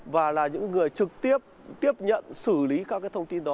và là những người trực tiếp tiếp nhận xử lý các cái thông tin đó